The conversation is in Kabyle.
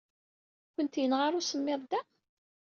Ur kent-yenɣi ara usemmiḍ da?